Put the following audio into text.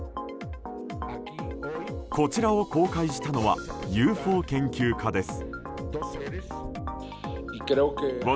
こちらを公開したのはＵＦＯ研究家です。